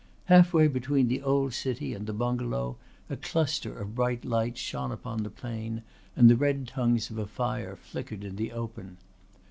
Halfway between the old city and the bungalow a cluster of bright lights shone upon the plain and the red tongues of a fire flickered in the open.